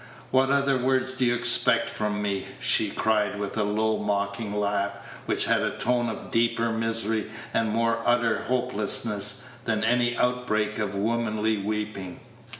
"What other words do you expect from me?" she cried with a low, mocking laugh, which had a tone of deeper misery and more utter hopelessness than any outbreak of womanly weeping.